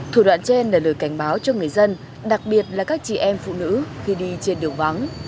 thủ đoạn trên là lời cảnh báo cho người dân đặc biệt là các chị em phụ nữ khi đi trên đường vắng